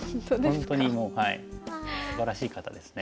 本当にもうすばらしい方ですね。